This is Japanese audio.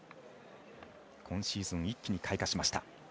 今シーズン、一気に開花しました。